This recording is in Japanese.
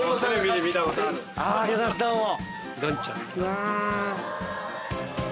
ありがとうございますどうも。